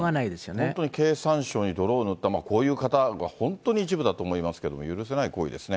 本当に経産省に泥を塗った、こういう方が本当に一部だと思いますけれども、許せない行為ですね。